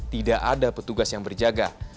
tidak ada petugas yang berjaga